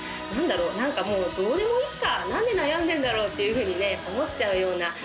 何だろう何かもうどうでもいっか何で悩んでんだろう？っていうふうにね思っちゃうような